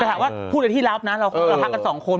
แต่ถามว่าพูดในที่รับนะเราพักกันสองคน